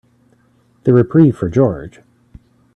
The reprieve for George.